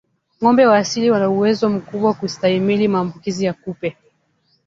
Ngombe wa asili wana uwezo mkubwa kustahimili maambukizi ya kupe